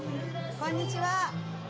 こんにちは。